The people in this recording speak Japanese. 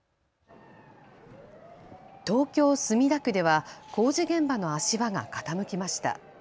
東京・墨田区では工事現場の足場が傾きました。